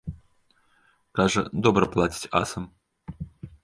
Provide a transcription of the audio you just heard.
Кажа, добра плацяць асам.